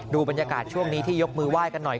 บรรยากาศช่วงนี้ที่ยกมือไหว้กันหน่อย